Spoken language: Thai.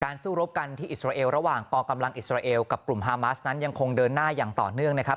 สู้รบกันที่อิสราเอลระหว่างปกำลังอิสราเอลกับกลุ่มฮามาสนั้นยังคงเดินหน้าอย่างต่อเนื่องนะครับ